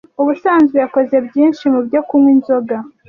Ubusanzwe yakoze byinshi mubyo Kunywa Inzoga